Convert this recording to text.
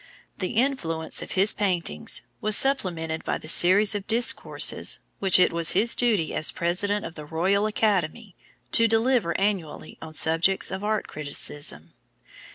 The influence of his paintings was supplemented by the series of discourses which it was his duty as President of the Royal Academy to deliver annually on subjects of art criticism.